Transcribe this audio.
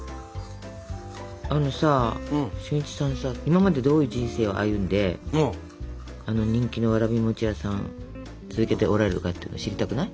あのさ俊一さんさ今までどういう人生を歩んであの人気のわらび餅屋さん続けておられるかっていうの知りたくない？